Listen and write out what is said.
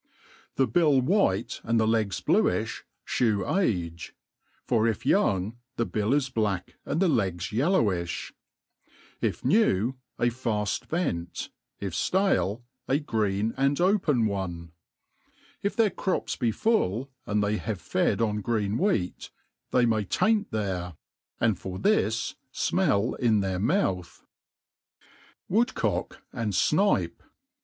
THE bill iriiite, and the legs bluiOi, iktw age $ for if youtig^ the bin it black and legs yellowifli ; if new, a faft vent ; if ftale, a green and epen one* If their crops be full, and they have fed on green wheat, they may taint there ; and for this fmell in their mouth« W^odcod and Snipe.